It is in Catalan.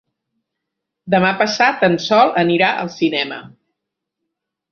Demà passat en Sol anirà al cinema.